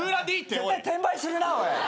絶対転売するな！